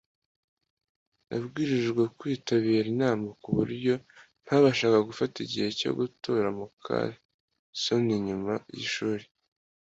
Nabwirijwe kwitabira inama kuburyo ntabashaga gufata igihe cyo gutora muka soni nyuma yishuri.